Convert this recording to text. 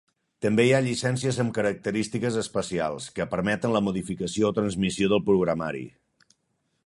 També hi ha llicències amb característiques especials, que permeten la modificació o transmissió del programari.